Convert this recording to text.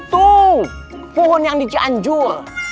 tuh pohon yang dicanjur